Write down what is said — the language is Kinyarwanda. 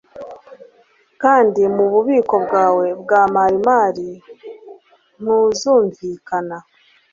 kandi, mu bubiko bwawe bwa marimari, ntuzumvikana